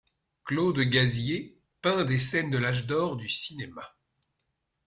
Claude Gazier peint des scènes de l'âge d'or du cinéma.